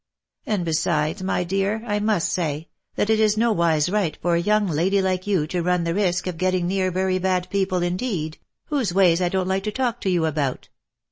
And besides, my dear, I must say, that it is nowise right for a young lady like you to run the risk of getting near very bad people indeed, whose ways I don't like to talk to you about.